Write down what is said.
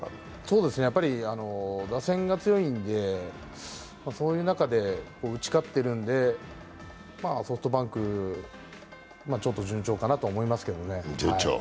打線が強いんで、そういう中で打ち勝ってるんでソフトバンク、順調かなと思いますけどね。